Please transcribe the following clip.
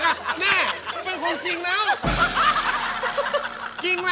แม่มันเป็นความจริงแล้ว